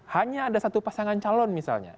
hanya ada satu pasangan calon misalnya